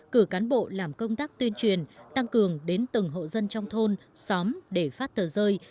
cử cán bộ làm công tác tuyên truyền tăng cường đến từng hộ dân trong thôn xóm để phát tờ rơi